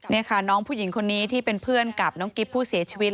นี่ค่ะน้องผู้หญิงคนนี้ที่เป็นเพื่อนกับน้องกิ๊บผู้เสียชีวิต